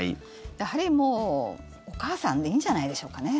やはりもう、お母さんでいいんじゃないでしょうかね。